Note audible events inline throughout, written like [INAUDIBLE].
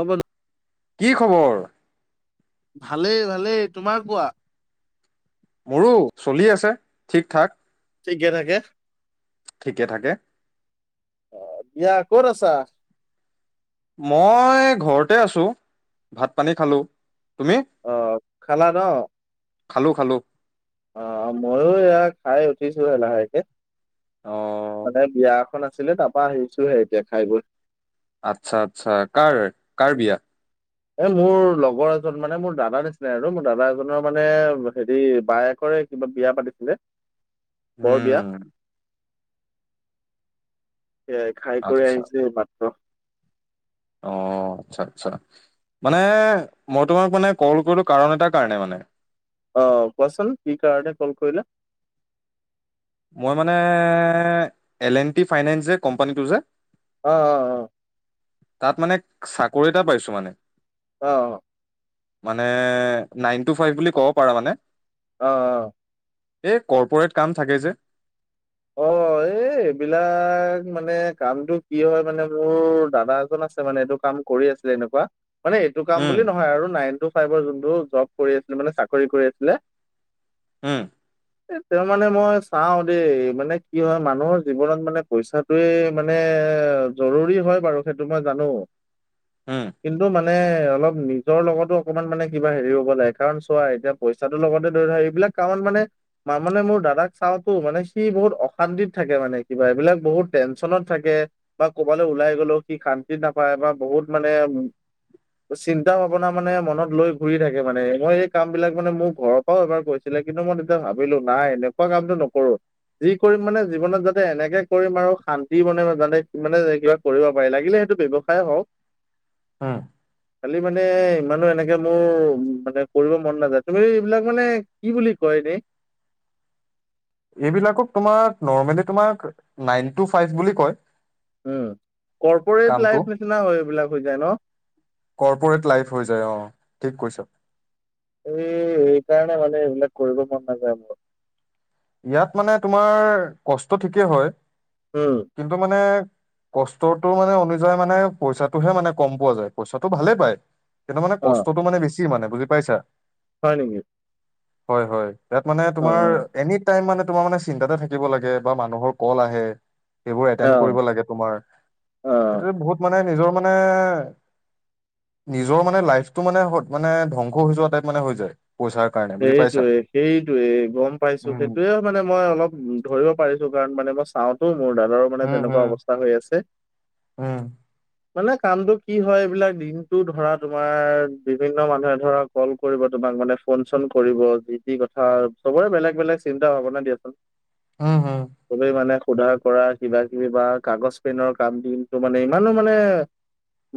অ' কি খবৰ? ভালেই-ভালেই তোমাৰ কোৱা? মোৰো চলি আছে ঠিক ঠাক ঠিকে থাকে। ঠিকে থাকে। আহ দিয়া কত আছা? মই ঘৰতে আছোঁ ভাত পানী খালোঁ। অ খালা ন। খালোঁ খালোঁ। অ ময়ো এয়া খাই উঠিছোহে লাহেকে। অ' মানে বিয়া এখন আছিলে তাৰ পৰা আহিছোহে এতিয়া খাই বৈ। আচ্ছা আচ্ছা কাৰ কাৰ বিয়া। এ মোৰ লগৰ এজন মানে মোৰ দাদা নিচিনাাই আৰু মোৰ দাদা এজনৰ মানে হেৰি বায়েকৰ কিবা বিয়া পাতিছিলে। বৰ বিয়া উম সেয়াই খাই কৰি আহিছে এই মাত্ৰ। অ। অ আচ্ছা আচ্ছা। মানে মই তোমাক মানে কল কৰিলো কাৰণ এটাৰ কাৰণে মানে। অহ কচোন কি কাৰণে কল কৰিলা? মই মানে এল এলন টি ফাইনেন্স যে কোম্পানীটো যে। অ অ অ। তাত মানে চাকৰি এটা পাইছো মানে। অ অ। মানে নাইন টু ফাইভ বুলি ক'ব পাৰা মানে। অহ অহ এ কর্পোরেট কাম থাকে যে। অ', এই এইবিলাক মানে কামটো কি হয় মানে মোৰ দাদা এজন আছে মানে এইটো কাম কৰি আছিলে এনেকুৱা। মানে এইটো কাম উম বুলি নহয় আৰু নাইন টো ফাইভ ৰ যুনটো জব কৰি আছিলে মানে চাকৰি কৰি আছিলে। হম। এ তেওঁ মানে মই চাওঁ দেই মানে কি হয় মানুহৰ জীৱনত মানে পইচাটোয়ে মানে জৰুৰী হয় বাৰু সেইটো মই জানু। [UNINTELLIGIBLE] উম কিন্তু মান মানে অলপ নিজৰ লগতো অকমান মানে কিবা হেৰি হ'ব লাগে কাৰণ চোৱা এতিয়া পইচাটোৰ লগতে ধৰা এই বিলাক কাৰণ মানে-মানে মোৰ দাদাক চাও টো মানে সি বহুত অশান্তিত থাকে মানে কিবা। এইবিলাক বহুত টেনশনত থাকে বা ক'বালৈ ওলাই গ'লেও সি শান্তি নাপায় বা বহুত মানে চিন্তা ভাৱনা মানে মনত লৈ ঘুৰি থাকে মানে। মই এই কাম বিলাক মানে মোৰ ঘৰৰ পৰাও এবাৰ কৈছিলো কিন্তু মই তেতিয়া ভাবিলো নাই এনেকুৱা কামটো নকৰো। যি কৰিম মানে জীৱনত যাতে এনেকে কৰিম আৰু শান্তি [UNINTELLIGIBLE] যানে মানে কিবা কৰিব পাৰি লাগিলে লে সেইটো ব্যৱসায় হওক। উম। খালি মানে ইমানো এনেকে মোৰ মানে কৰিব মন নাযায়। তুমি এইবিলাক মানে কি বুলি কয় [UNINTELLIGIBLE] এইবিলাকক তোমাৰ নৰ্মেলি তোমাক নাইন টু ফাইভ বুলি কয়। উম, কৰ্পৰেট কামটো লাইফ নিচিনা হয় এইবিলাক হৈ যায় ন। কৰ্পৰেট লাইফ হৈ যায় অ' ঠিক কৈছা। এই সেইকাৰণে মানে এবিলাক কৰিব মন নাযায় মোৰ। ইয়াত মানে তোমাৰ কষ্ট ঠিকেই হয়, উম কিন্তু মানে কষ্টটো মানে অনুযায়ী মানে পইচাটোহে মানে কম পোৱা যায়। পইচাটো ভালে পায়। সেইটো মানে অ কষ্টটো মানে বেছি মানে বুজি পাইছা? হয় নেকি? হয়-হয়। ইয়াত মানে অ তোমাৰ এনি টাইম মানে তোমাৰ মানে চিন্তাতে থাকিব লাগে বা মানুহৰ কল আহে। সেইবোৰ অ অ এটেণ্ড কৰিব লাগে তোমাৰ। অ সেইটো বহুত মানে নিজৰ মানে নিজৰ মানে লাইফটো মানে-মানে ধ্বংস হৈ যোৱা টাইপ মানে হৈ যায়। পইচাৰ কাৰণে বুজি পাইছা। সেইটোৱে সেইটোৱে গম পাইছো। উম সেইটোৱে মানে মই অলপ ধৰিব পাৰিছো। কাৰণ মানে মই চাওতো মোৰ দাদাৰো মানে উম তেনেকুৱা হুম অৱস্থা হৈ আছে। উম মানে কামটো কি হয় এইবিলাক দিনটো ধৰা তোমাৰ বিভিন্ন মানুহে ধৰা কল কৰিব তোমাক মানে ফোন চোন কৰিব। যি তি কথা চবৰে বেলেগ-বেলেগ চিন্তা ভাবনা দিয়াচোন। উম হম। শুধাৰ কৰা কিবা কিবি বা কাগজ পেনৰ কাম দিনটো মানে। ইমানো মানে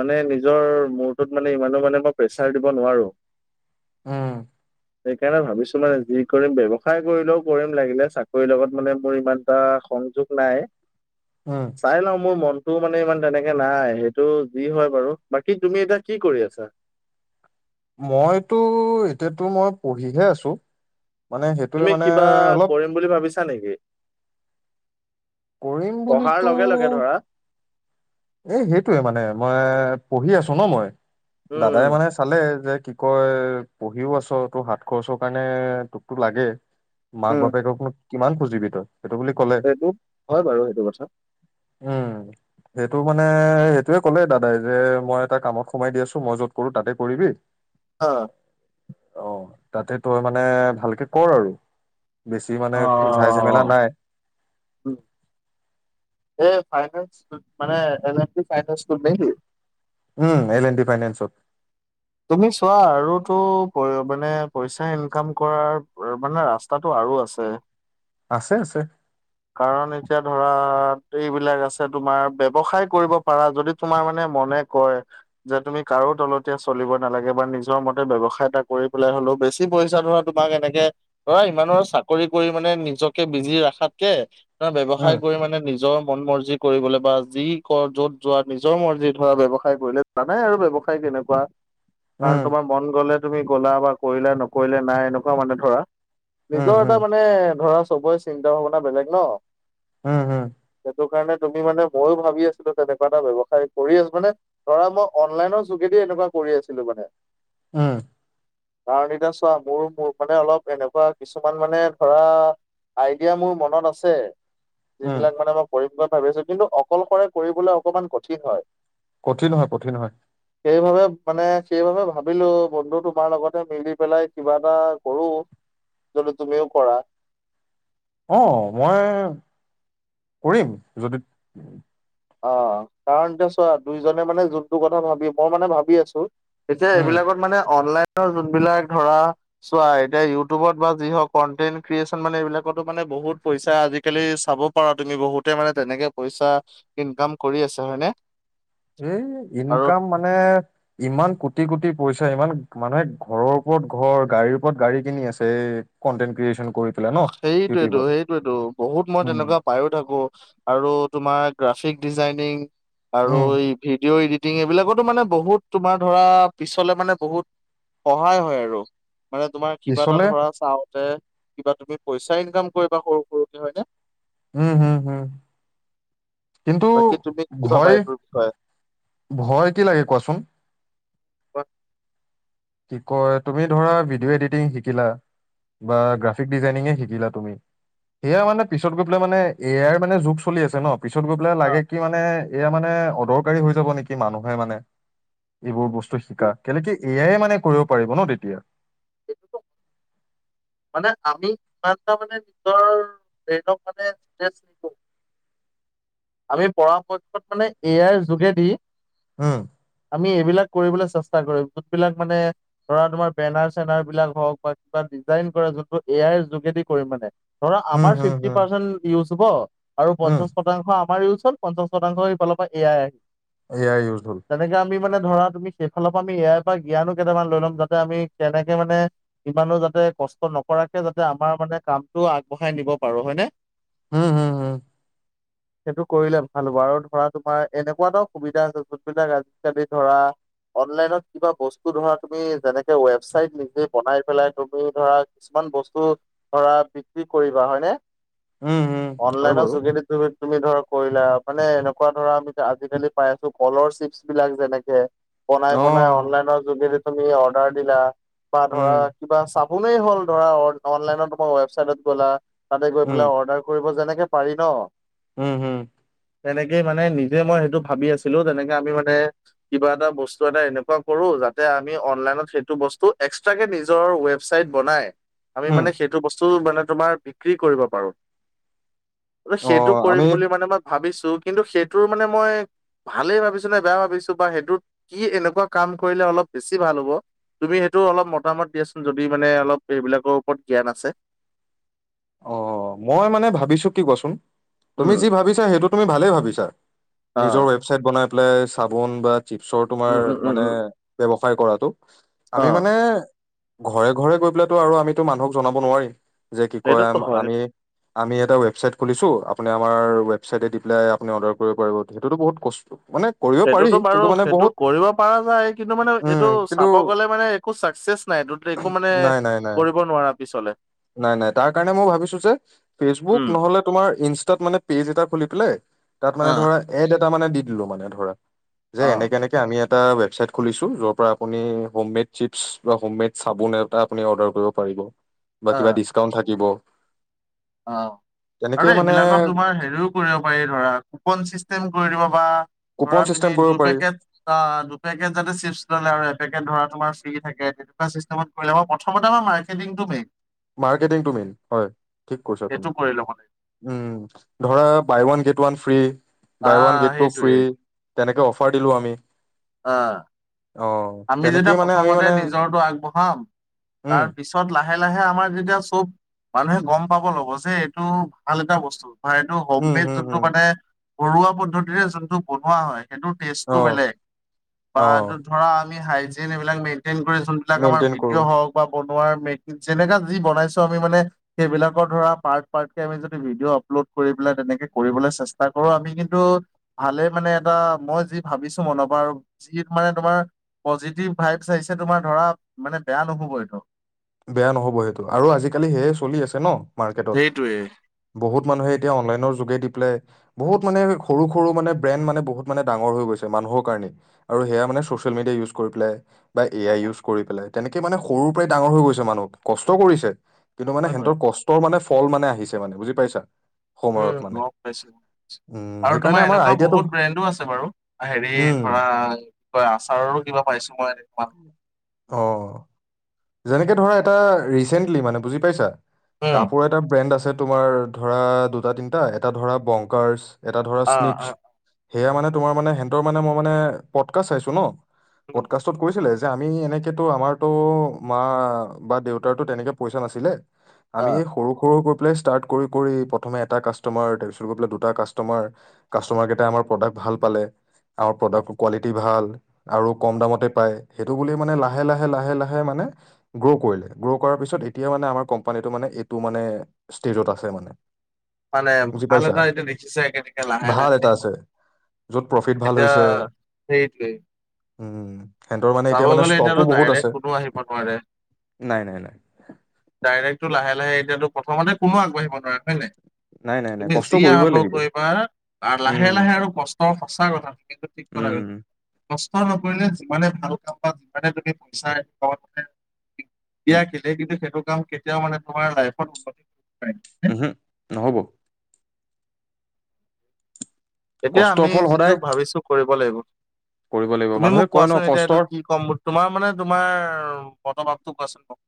মানে নিজৰ মূৰটোত মানে ইমানো মানে মই প্ৰেছাৰ দিব নোৱাৰো। উম। সেইকাৰণে ভাবিছো মানে যি কৰিম ব্যৱসায় কৰিলেও কৰিম লাগিলে চাকৰিৰ লগত মানে মোৰ ইমান এটা সংযোগ নাই উম চাই লও মোৰ মন টো মানে ইমান তেনেকে নাই সেইটো যি হয় বাৰু। বাকী তুমি এতিয়া কি কৰি আছা? [INAUDIBLE] মইতো এতিয়াতো মই পঢ়িহে আছো। মানে সেইটোৱে তুমি মানে কিবা অলপ কৰিম বুলি ভাবিছা নেকি? কৰিম পঢ়াৰ বুলিতো লগে লগে ধৰা। এ সেইটোয়ে মানে মই পঢ়ি আছো ন মই দাদাই উম। মানে চালে যে কি কয় পঢ়িও আছ তোৰ হাত খৰচৰ কাৰণে তোকতো লাগে। মাক উম। বাপেকক নো কিমান খুজিবি তই। সেইটো বুলি ক'লে সেইটো হয় বাৰু সেইটো কথা। উম। সেইটো মানে সেইটোৱে ক'লে দাদাই যে মই এটা কামত সোমাই দি আছো, মই যত কৰো তাতে কৰিবি। অ। অ, তাতে তোৰ মানে ভালকে কৰ আৰু। বেছি মানে ঝাই যেমেলা নাই। হু এ মানে [UNINTELLIGIBLE] টোত নে কি? উম, এল এন ডি ফাইনেনচত। তুমি চোৱা আৰু তো কৰিব মানে পইচা ইনকাম কৰাৰ মানে ৰাস্তাটো আৰু আছে। আছে আছে কাৰণ এতিয়া ধৰা এইবিলাক আছে। তোমাৰ ব্যৱসায় কৰিব পাৰা। যদি তোমাৰ মানে মনে কয় যে তুমি কাৰো তলতীয়া চলিব নালাগে বা নিজৰ মতে ব্যৱসায় এটা কৰি পেলাই হ'লেও বেছি পইচা ধৰা তোমাক এনেকে অ ইমান ৰ চাকৰি কৰি মানে নিজকে বিজি ৰাখাতকে ধৰা ব্যৱসায় উম কৰি মানে নিজৰ মন মৰজি কৰিবলে বা যি ক যত যোৱা নিজৰ মৰ্জি ধৰা ব্যৱসায় কৰিলে। জানাই আৰু ব্যৱসায় তেনেকুৱা কাৰণ উম তোমাৰ মন গলে তুমি গ'লা বা কৰিলা। নকৰিলে নাই এনেকুৱা মানে ধৰা। উম নিজৰ এটা উম মানে ধৰা চবৰে চিন্তা ভাৱনা বেলেগ ন। উম হুম। সেইটো কাৰণে তুমি মানে ময়ো ভাবি আছিলো তেনেকুৱা এটা ব্যৱসায় কৰিম। মানে ধৰা মই অনলাইনৰ যোগেদি এনেকুৱা কৰি আছিলো মানে। উম। কাৰণ এতিয়া চোৱা মোৰ, মোৰ মানে অলপ এনেকুৱা কিছুমান মানে ধৰা। আইডিয়া মোৰ মনত আছে। উম যিবিলাক মানে মই কৰিম বুলি ভাবি আছো। কিন্তু অকলশৰে কৰিবলৈ অকমান কঠিন হয়। কঠিন হয়, কঠিন হয়। সেইবাবে মানে সেইবাবে ভাবিলো বন্ধু তোমাৰ লগতে মিলি পেলাই কিবা এটা কৰো। যদি তুমিও কৰা। অ, মই কৰিম যদি অ কাৰণটো চোৱা। দুইজনে মানে যোনটো কথা ভাবি মই মানে ভাবি আছো এতিয়া উম এইবিলাকত মানে অনলাইন যোন বিলাক ধৰা চোৱা এতিয়া ইউটিবত বা যি হক কন্টেন্ট ক্ৰিয়েচন মানে এই বিলাকতো মানে বহুত পইচা, আজিকালি চাব পাৰা তুমি বহুতে মানে তেনেকে পইচা ইনকাম কৰি আছে হয়নে? এই আৰু ইনকাম মানে ইমান কোটি-কোটি পইছা [UNINTELLIGIBLE] ইমান মানুহে ঘৰৰ ওপৰত ঘৰ, গাড়ীৰ ওপৰত গাড়ী কিনি আছে কণ্টেন ক্ৰিয়েচন কৰি। পেলাই ন ইউটিউবত সেইটোৱেটো, সেইটোৱেটো। বহুত মই উম, তেনেকুৱা পাইও থাকো আৰু তোমাৰ গ্ৰাফিক ডিজাইনিং আৰু উম, এই ভিডিঅ' এডিট এইবিলাকতো মানে বহুত তোমাৰ ধৰা পিছলে মানে বহুত সহায় হয় আৰু। মানে তোমাৰ কিবা এটা পিছলে ধৰা চাওতে কিবা তুমি পইচা ইনকাম কৰিবা সৰু সৰুকে, হয়নে? উম-উম-উম। কিন্তু বাকী তুমি কি ভাবা ভয়, এইটোৰ বিষয়ে ভয় কি লাগে কোৱাচোন? বা [UNINTELLIGIBLE] কি কয় তুমি ধৰা ভিডিঅ' এডিটিং শিকিলা। বা গ্ৰাফিক ডিজাইনিঙে শিকিলা তুমি। সেয়া মানে পিছত গৈ পেলাই মানে এ আই মানে যুগ চলি আছে ন। পিছত গৈ পেলাই হা, লাগে কি মানে এয়া মানে অদৰকাৰী হৈ যাব নেকি? মানুহে মানে এইবোৰ বস্তু। শিকা এই- কেলেকে এ আই এ মানে কৰিব পাৰিব ন তেতিয়া। [UNINTELLIGIBLE] মানে আমি ইমানটা মানে নিজৰ ব্ৰেইনক মানে ষ্টেচ নিদো। আমি পৰাপক্ষত মানে এ আইৰ যোগেদি উম, আমি এইবিলাক কৰিবলে চেষ্টা কৰিম। যোনবিলাক মানে ধৰা তোমাৰ বেনাৰ-চেনাৰ বিলাক হওঁক বা কিবা ডিজাইন কৰা যোনটো এ আইৰ যোগেদি কৰিম মানে। ধৰা উম, আমাৰ হুম, ফিফটি হুম, পাৰ্চেন্ট ইউজ হ'ব আৰু উম, পঞ্চাছ শতাংশ আমাৰ ইউজ হল পঞ্চাছ শতাংশ। এইফালৰ পৰা A I A I useful. তেনেকে আমি মানে ধৰা তুমি সেই ফালৰ পৰা আমি এ আইৰ পৰা জ্ঞানো কেইটামান লৈ ল'ম যাতে আমি যেনেকে মানে ইমানো যাতে কষ্ট নকৰাকে যাতে আমাৰ মানে কামটো আগবঢ়াই নিব পাৰো, হয় নে? উম-হু-হু। সেইটো কৰিলে ভাল হ'ব আৰু ধৰা তোমাৰ এনেকুৱা এটাও সুবিধা আছে যোনবিলাক আজি-কালি ধৰা অনলাইনত কিবা বস্তু ধৰা তুমি যেনেকে ৱেবচাইট নিজে বনাই পেলাই তুমি ধৰা কিছুমান বস্তু ধৰা বিক্ৰী কৰিবা হয়নে? উম, হুম, হয় অনলাইনৰ বাৰু। যোগেদি তুমি তুমি ধৰা কৰিলা। মানে এনেকুৱা ধৰা আমি আজি-কালি পাই আছো কলৰ চিপছ বিলাক যেনেকে। বনাই বনাই অ', অনলাইনৰ যোগেদি তুমি অৰ্ডাৰ দিলা বা ধৰা উম, কিবা চাবোনেই হ'ল ধৰা। অন-অনলাইনত তোমাৰ ৱেবচাইটত গ'লা তাতে গৈ উম, পেলাই অৰ্ডাৰ কৰিব যেনে পাৰি ন? উম, হুম। তেনেকেই মানে নিজে মই সেইটো ভাবি আছিলো। তেনেকে আমি মানে কিবা এটা বস্তু এটা এনেকুৱা কৰো। যাতে আমি অনলাইনত সেইটো বস্তু এক্সট্ৰাকে নিজৰ ৱেবচাইট বনাই আমি উম। মানে সেইটো বস্তু মানে তোমাৰ বিক্ৰী কৰিব পাৰো। অ সেইটো কৰিম আমি বুলি মানে মই ভাবিছো। কিন্তু সেইটোৰ মানে মই ভালেই ভাবিছো নে বেয়া ভাবিছো বা সেইটোত কি এনেকুৱা কাম কৰিলে অলপ বেছি ভাল হ'ব? তুমি সেইটো অলপ মতামত দিয়াচোন যদি মানে অলপ এইবিলাকৰ ওপৰত জ্ঞান আছে। অ, মই মানে ভাবিছো কি কোৱাচোন। তুমি উম যি ভাবিছা সেইটো তুমি ভালেই ভাবিছা। অ নিজৰ ৱেবচাইট বনাই পেলাই চাবোন বা চিপছৰ তোমাৰ উম উম উম মানে উম ব্যৱসায় কৰা। অ আমি মানে ঘৰে ঘৰে গৈ পেলাইটো আৰু আমিতো মানুহক জনাব নোৱাৰিম যে কি কয় সেইটোতো হয় আম-আমি আমি এটা ৱেবচাইট খুলিছো। আপুনি আমাৰ ৱেবচাইটে দি পেলাই আপুনি অৰ্ডাৰ কৰিব পাৰিব। সেইটোতো বহুত কষ্ট মানে কৰিব পাৰি সেইটোতো বাৰু কিন্তু মানে সেইটো বহুত কৰিব পাৰা যায়। কিন্তু মানে উম এইটো কিন্তু চাব গ'লে মানে একো চাকচ চেচ নাই এইটোত একো মানে নাই নাই নাই কৰিব নোৱাৰা। পিছলে নাই, নাই। তাৰ কাৰণে মই ভাবিছো যে ফেচবুক উম নহলে তোমাৰ ইনষ্টাত মানে পেজ এটা খুলি পেলাই তাত মানে অ ধৰা এড এটা মানে দি দিলো মানে ধৰা যে অ এনেকে এনেকে আমি এটা ৱেবছাইট খুলিছো যৰ পৰা আপুনি হম মেড চিপছ বা হম মেড চাবোন এটা আপুনি অৰ্ডাৰ কৰিব পাৰিব। [UNINTELLIGIBLE] বা অ কিবা ডিচকাউন্ট থাকিব। অ, তেনেকে আৰু মানে এইবিলাকত তোমাৰ হেৰিও কৰিব পাৰি। ধৰা কুপন চিষ্টেম কৰি দিব বা ধৰা কুপন চিষ্টেম তুমি কৰিব দু পাৰি পেকেট অ দুপেকেট যাতে চিপছ ললে আৰু এপেকেট ধৰা তোমাৰ থাকে তেনেকোৱা চিষ্টেমত কৰিলে [UNINTELLIGIBLE] প্ৰথমতে আমাৰ মাৰ্কেটিংটো মেইন। মাৰ্কেটিংটো মেইন, হয়। ঠিক কৈছা তুমি। সেইটো কৰি ল'ব লাগিব। উম, ধৰা buy one get one free. Buy one অ', গেট টু ফ্ৰী সেইটোৱে তেনেকে অফাৰ দিলো আমি। অহ। অ আমি যেতিয়া তেনেকেই মানে আমি প্ৰথমতে মানে নিজৰটো আগবঢ়াম। উম তাৰ পিছত লাহ লাহে-লাহে আমাৰ যেতিয়া চব মানুহে গম পাব ল'ব যে এইটো ভাল এটা বস্তু। হয়, এইটো উম হোমমেড উম যোনটো উম মানে ঘৰুৱা পদ্ধতিৰে যোনটো বনোৱা হয়। সেইটো টেষ্টটো অ বেলেগ। বা অ এইটোত ধৰা আমি হাইজিন এইবিলাক মেই [UNINTELLIGIBLE] যোনবিলাক আমাৰ মেইনটেইন কৰো ভিডিঅ' হওক বা বনোৱাৰ মে যেনেকা যি বনাইছো আমি মানে সেইবিলাকৰ ধৰা পাৰ্ট পাৰ্টকে আমি যদি ভিডিঅ' আপলো আপলোড কৰি পেলাই তেনেকে কৰিবলে চেষ্টা কৰো আমি। কিন্তু ভালে মানে এটা মই যি ভাবিছো [UNINTELLIGIBLE] বা আৰু যি মানে তোমাৰ পজিটিভ ভাইবছ আহিছে তোমাৰ। ধৰা মানে বেয়া নহ'ব এইটো। বেয়া নহব সেইটো আৰু আজিকালি সেয়ে চলি আছে ন। মাৰ্কেটত, সেইটোৱে। বহুত মানুহে এতিয়া অনলাইনৰ যোগে দি পেলাই বহুত মানে সৰু সৰু মানে ব্ৰেন মানে বহুত মানে ডাঙৰ হৈ গৈছে মানুহৰ কাৰণে আৰু সেয়া মানে চছি চছিয়েলমিডিয়া ইউজ কৰি পেলাই বা এ আই ইউজ কৰি পেলাই তেনেকে মানে সৰুৰ পৰাই ডাঙৰ হৈ মানুহক কষ্ট কৰিছে। কিন্তু মানে হয় বাৰু সিহঁতৰ কষ্টৰ মানে ফল মানে আহিছে মানে। বুজি পাইছা? উম, সময়ত মানে গম পাইছো। উম আৰু সেইকাৰণে তোমাৰ আমাৰ এনেকুৱা আইডিয়াটো বহুত ব্ৰেণ্ডো আছে বাৰু। হেৰি উম ধৰা কয় আচাৰৰো কিবা পাইছো মই। অ [UNINTELLIGIBLE] অ, যেনেকে ধৰা এটা ৰিচেণ্টলি মানে বুজি পাইছা? উম। কাপোৰ এটা ব্ৰেণ্ড আছে তোমাৰ ধৰা দুটা, তিনিটা। এটা ধৰা বংকাৰছ এটা ধৰা অ স্নিছ। অ সেয়া মানে তোমাৰ মানে হেনতৰ মানে মই মানে পডকাষ্ট চাইছো ন। পডকাষ্টত কৈছিলে যে আমি এনেকেতো আমাৰতো মা বা দেউতাৰটো তেনেকে পইচা নাছিলে। আমি অ', এই সৰু-সৰু প্লে ষ্টাৰ্ট কৰি কৰি প্ৰথমে এটা কাষ্টমাৰ, তাৰ পিছত গৈ পেলাই দুটা কাষ্টমাৰ। কাষ্টমাৰ কেইটায়ে আমাৰ প্ৰডাক ভাল পালে? আৰু প্ৰডাকৰ কোৱালিটি ভাল আৰু কম দামতে পায়। সেইটো বুলি মানে লাহে-লাহে-লাহে-লাহে মানে গ্র কৰিলে। গ্ৰ কৰা পিছত এতিয়া মানে আমাৰ মানে কোম্পানীটো এইটো মানে ষ্টেজত আছে মানে। মানে বুজি আন পাইছা এটা এতিয়া দেখিছে একেলগে ভাল লাহে-লাহে এটা আছে য'ত প্ৰফিট ভাল এতিয়া হৈছে সেইটোৱে। উম। সিহঁতৰ মানে চাব এতিয়া মানে গ'লে ষ্টকো এতিয়াতো বহুত আছে। ডাইৰেক্ট কোনো আহিব নোৱাৰে। নাই, নাই, নাই, ডাইৰেক্টটো লাহে-লাহে এতিয়াটো প্ৰথমতে কোনো আগবাঢ়িব নোৱাৰে, হয় নাই? নাই নাই। নাই, তুমি কষ্ট যি কৰিবই আৰম্ভ লাগিব। কৰিবা উম, লাহে লাহে আৰু কষ্টৰ সঁচা কথা কিন্তু ঠিক কথা উম, কৈ কষ্ট নকৰিলে যিমানে ভাল কাম যিমানে তুমি পইচা দিয়া উম, খিলে কিন্তু সেইটো কেতিয়াও কেতিয়াও মানে তোমাৰ লাইফত উন্নতি নোৱাৰিম ওহু নহ'ব। এতিয়া কষ্টৰ আমি ফল যিটো সদায় ভাবিছো কৰিব লাগিব। কৰিব লাগিব। তুমি মানুহে মোক কয় ন কোৱাচোন এতিয়া। এইটো কষ্টৰ কি ক'ম তোমাৰ মানে তোমাৰ মনৰ ভাবটো কোৱাচোন মোক।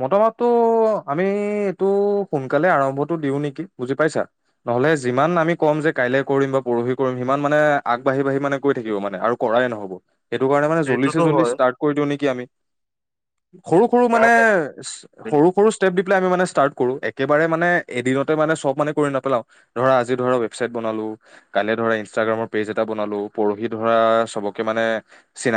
মতভাবটো আমি এইটো সোনকালে আৰম্ভটো দিও নেকি। বুজি পাইছা? নহলে যিমান আমি ক'ম যে কাইলে কৰিম বা পৰহি কৰিম সিমান মানে আগবাঢি বাঢ়ি মানে গৈ থাকিব মানে আৰু কৰাই নহব। সেইটো কাৰণে মানে জল্দি চে সেইটোতো জল্দি হয় ষ্টাৰ্ট কৰি দিওঁ নেকি আমি? সৰু-সৰু মানে ইয়াৰ সৰু-সৰু ষ্টেপ পেলাই আমি ষ্টাৰ্ট কৰো। একেবাৰে মানে এদিনতে মানে চব মানে কৰি নেপেলাও। ধৰা আজি ধৰা ৱেবচাইট বনালো। ত কাইলে ধৰা ইনষ্টাগ্ৰামৰ পেজ এটা বনালো। পৰহি ধৰা চবকে মানে চিনাক